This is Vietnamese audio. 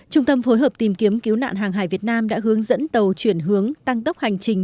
trung tâm phối hợp tìm kiếm cứu nạn hàng hải việt nam đã hướng dẫn tàu chuyển hướng tăng tốc hành trình